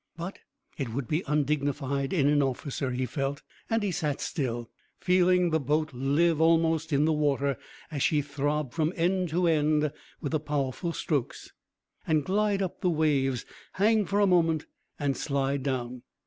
"But it would be undignified in an officer," he felt; and he sat still, feeling the boat live almost in the water as she throbbed from end to end with the powerful strokes, and glide up the waves, hang for a moment, and slide down.